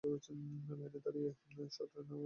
লাইনে দাঁড়িয়ে একটা করে শার্ট নিয়ে যাও।